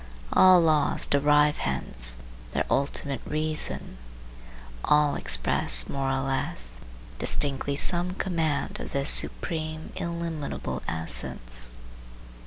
All laws derive hence their ultimate reason; all express more or less distinctly some command of this supreme, illimitable essence.